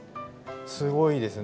すごいですね